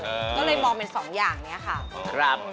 ก็เลยมองเป็น๒อย่างนี้ค่ะ